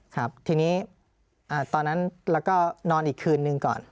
ครับทีนี้ตอนนั้นเราก็นอนอีกคืนนึงก่อน